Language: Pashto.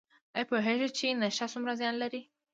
ایا پوهیږئ چې نشه څومره زیان لري؟